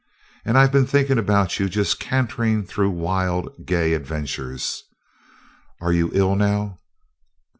And I've been thinking about you just cantering through wild, gay adventures. Are you ill now?"